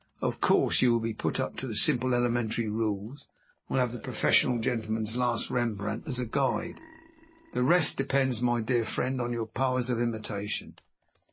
Of course you will be put up to the simple elementary rules, and will have the professional gentleman's last Rembrandt as a guide; the rest depends, my dear friend, on your powers of imitation.